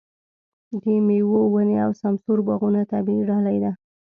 د مېوو ونې او سمسور باغونه طبیعي ډالۍ ده.